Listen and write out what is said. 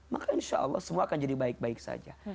maka insya allah semua akan jadi baik baik saja